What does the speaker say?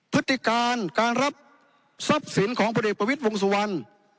พฤติการการรับทรัพย์สินของพลเอกประวิทย์วงสุวรรณ